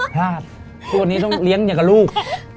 พลาดตัวนี้ต้องเลี้ยงเนื้อกับลูก